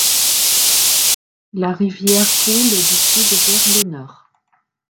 La rivière coule du sud vers le nord.